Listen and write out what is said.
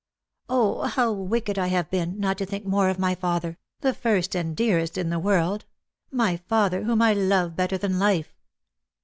" 0, how wicked I have been, not to think more of my father — the first and dearest in the world — my father, whom I love better than life